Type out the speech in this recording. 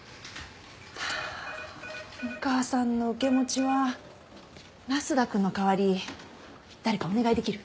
六川さんの受け持ちは那須田くんの代わり誰かお願いできる？